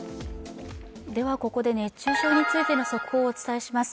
ここで熱中症についての速報をお伝えします。